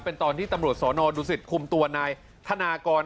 เป็นตอนที่ตำรวจสนดุสิตคุมตัวนายธนากร